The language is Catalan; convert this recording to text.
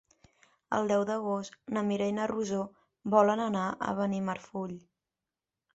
El deu d'agost na Mira i na Rosó volen anar a Benimarfull.